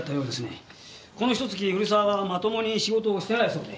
このひと月古沢はまともに仕事をしてないそうで。